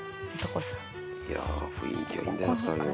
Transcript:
いやあ雰囲気がいいんだよな２人のな。